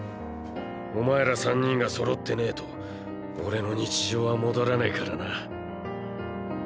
お前ら３人がそろってねぇと俺の日常は戻らねぇからな。